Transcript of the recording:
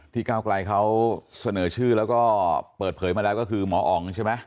ก้าวไกลเขาเสนอชื่อแล้วก็เปิดเผยมาแล้วก็คือหมออ๋องใช่ไหม